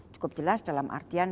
cukup jelas dalam artian